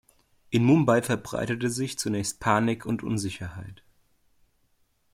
In Mumbai verbreitete sich zunächst Panik und Unsicherheit.